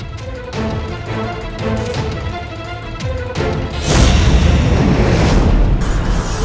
apa saya lakukan begitu saja